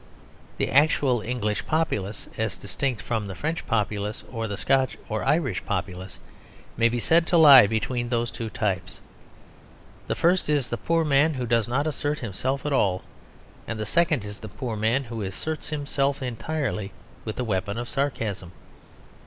The actual English populace, as distinct from the French populace or the Scotch or Irish populace, may be said to lie between those two types. The first is the poor man who does not assert himself at all, and the second is the poor man who asserts himself entirely with the weapon of sarcasm.